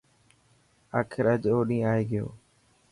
آخر اڄ او ڏينهن آي گيو.